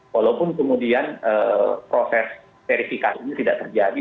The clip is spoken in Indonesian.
walaupun kemudian proses verifikasi ini tidak terjadi